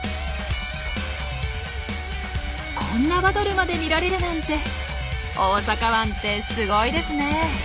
こんなバトルまで見られるなんて大阪湾ってすごいですね。